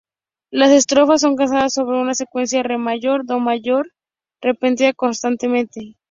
Las estrofas son cantadas sobre una secuencia Re mayor-Do mayor, repetida constantemente.